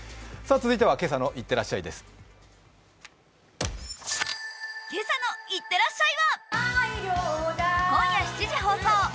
続いては今朝の「いってらっしゃい」です。